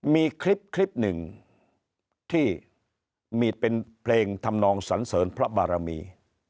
มีคลิปหนึ่งที่มีเป็นเพลงทำนองสันเสริญพระบารมี